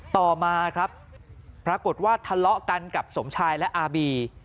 ต่อมาครับปรากฏว่าทะเลาะกันกับสมชายและอาบี